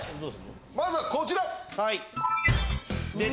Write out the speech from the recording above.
まずはこちら！